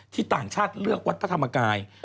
ที่ต่างชาติเลือกวัฒนธรรมกาย